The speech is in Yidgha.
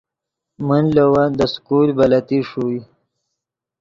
من لے ون دے سکول بلتی ݰوئے